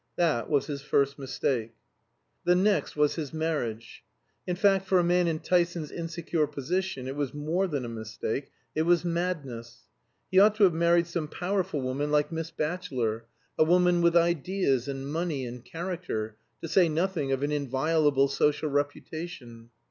That was his first mistake. The next was his marriage. In fact, for a man in Tyson's insecure position, it was more than a mistake; it was madness. He ought to have married some powerful woman like Miss Batchelor, a woman with ideas and money and character, to say nothing of an inviolable social reputation.